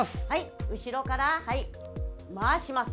後ろから回します。